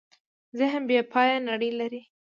ذهن بېپایه نړۍ لري.